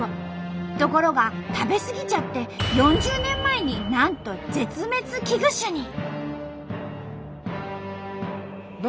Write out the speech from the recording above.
ところが食べ過ぎちゃって４０年前になんと絶滅危惧種に。